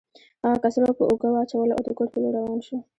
هغه کڅوړه په اوږه واچوله او د کور په لور روان شو